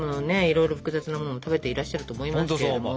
いろいろ複雑なものを食べていらっしゃると思いますけども。